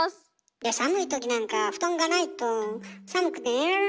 で寒いときなんか布団がないと寒くて寝られないからよねえ。